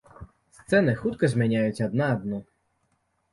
Сцэны хутка змяняюць адна адну.